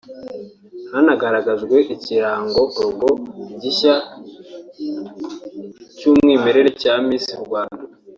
Hanagaragajwe ikirango(logo) gishya cy'umwimerere cya Miss Rwanda